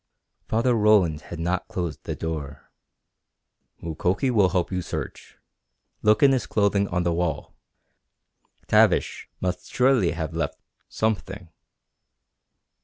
Father Roland had not closed the door. "Mukoki will help you search. Look in his clothing on the wall. Tavish must surely have left something."